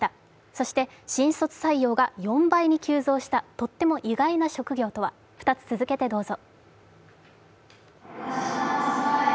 そして、新卒採用が４倍に急増したとっても意外な職業とは２つ続けてどうぞ。